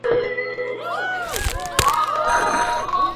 আনন্দের নেশায় এতটুকু গেঁয়ো মেয়ে ছড়া বলিয়াছে, তারও মানে চাই?